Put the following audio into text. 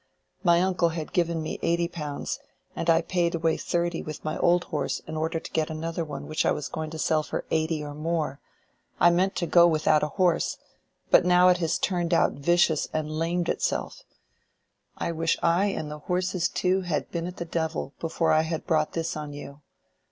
My uncle had given me eighty pounds, and I paid away thirty with my old horse in order to get another which I was going to sell for eighty or more—I meant to go without a horse—but now it has turned out vicious and lamed itself. I wish I and the horses too had been at the devil, before I had brought this on you.